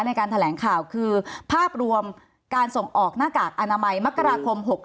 ในการแถลงข่าวคือภาพรวมการส่งออกหน้ากากอนามัยมกราคม๖๖